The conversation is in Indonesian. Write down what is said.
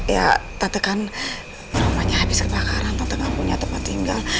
ya tante kan rumahnya habis kebakaran tante gak punya tempat tinggal